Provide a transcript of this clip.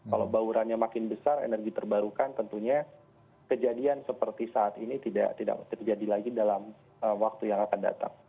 kalau bauran nya makin besar energi terbarukan tentunya kejadian seperti saat ini tidak terjadi lagi dalam waktu yang lain